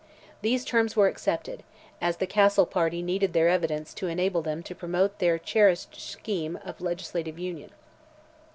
These terms were accepted, as the Castle party needed their evidence to enable them to promote the cherished scheme of legislative Union.